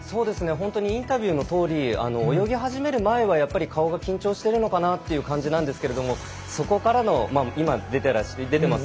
本当にインタビューのとおり泳ぎ始める前は顔が緊張しているのかなという感じだったんですがそこからの今、出ています